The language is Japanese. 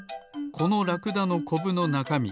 このラクダのコブのなかみ